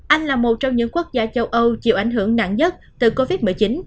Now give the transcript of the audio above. anh là một trong những quốc gia châu âu chịu ảnh hưởng nặng nhất từ covid một mươi chín